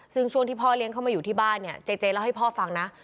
ซึ่งช่วงที่พ่อเลี้ยงเข้ามาอยู่ที่บ้านเนี่ยเจเจเล่าให้พ่อฟังนะ